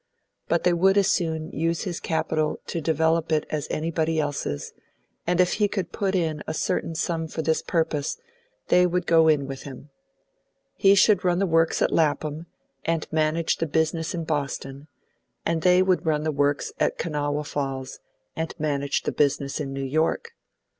But they would as soon use his capital to develop it as anybody else's, and if he could put in a certain sum for this purpose, they would go in with him. He should run the works at Lapham and manage the business in Boston, and they would run the works at Kanawha Falls and manage the business in New York.